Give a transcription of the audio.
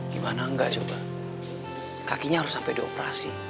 gimana engga coba kakinya harus sampe di operasi